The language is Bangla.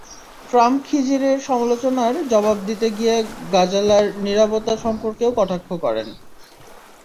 ট্রাম্প খিজিরের সমালোচনার জবাব দিতে গিয়ে গাজালার নীরবতা সম্পর্কেও কটাক্ষ করেন।